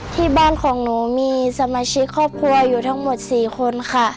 ที่บ้านของหนูมีสมาชิกครอบครัวอยู่ทั้งหมด๔คนค่ะ